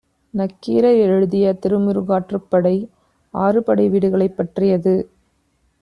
நக்கீரர் எழுதிய திருமுருகாற்றுப்படை ஆறுபடை வீடுகளைப் பற்றியது.